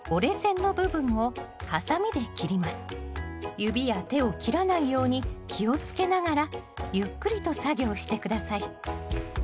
指や手を切らないように気をつけながらゆっくりと作業して下さい。